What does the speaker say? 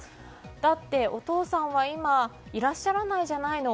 「だって、おとうさんは、いま、いらっしゃらないじゃないの。